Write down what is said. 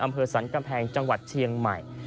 อำเภอสันกำแพงจังหวัดเชียงใหม่